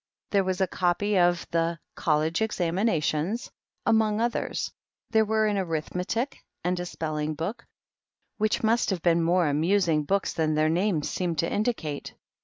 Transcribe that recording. There was a copy of the "College Examinations," among others; there were an Arithmetic and a Spell ing Book, which must have been much more amusing books than their names seemed to in dicate.